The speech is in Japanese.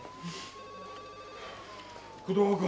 工藤君！